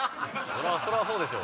そりゃそうでしょ。